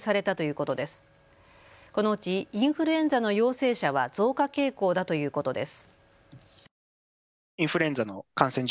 このうちインフルエンザの陽性者は増加傾向だということです。